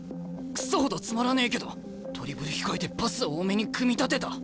くそほどつまらねえけどドリブル控えてパスを多めに組み立てた！